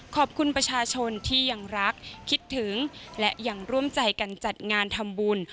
ขอบคุณประชาชนที่ยังรักคิดถึงและยังร่วมใจกันจัดงานทำบุญ